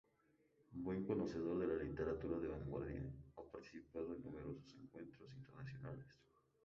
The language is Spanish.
Buen conocedor de la literatura de vanguardia, ha participado en numerosos encuentros internacionales.